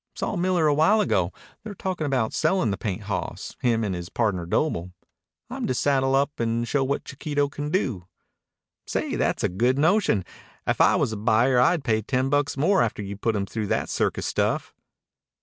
"Saw Miller a while ago. They're talkin' about sellin' the paint hawss, him and his pardner Doble. I'm to saddle up and show what Chiquito can do." "Say, that's a good notion. If I was a buyer I'd pay ten bucks more after you'd put him through that circus stuff."